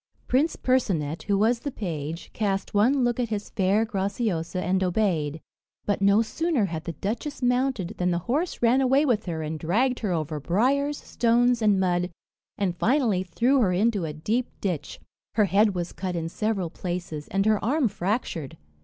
Prince Percinet, who was the page, cast one look at his fair Graciosa and obeyed; but no sooner had the duchess mounted, than the horse ran away with her and dragged her over briers, stones, and mud, and finally threw her into a deep ditch. Her head was cut in several places, and her arm fractured.